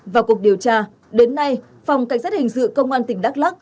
vào cuộc điều tra đến nay phòng cảnh sát hình sự công an tỉnh đắk lắc